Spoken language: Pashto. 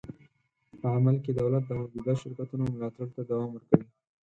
په عمل کې دولت د موجوده شرکتونو ملاتړ ته دوام ورکوي.